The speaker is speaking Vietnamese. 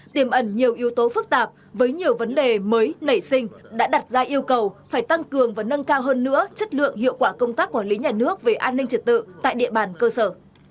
tiềm ẩn nhiều yếu tố phức tạp với nhiều vấn đề mới nảy sinh đã đặt ra yêu cầu phải tăng cường và nâng cao hơn nữa chất lượng hiệu quả công tác quản lý nhà nước về an ninh trật tự tại địa bàn cơ sở